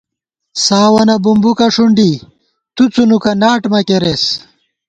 ساوَنہ بوُومبُکہ ݭنڈی، تو څُنوُکہ ناٹ مہ کېرېس